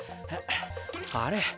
あれ？